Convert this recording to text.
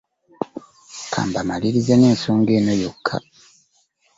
Ka mbamalirize n'ensonga eno yokka.